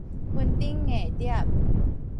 雲頂硬碟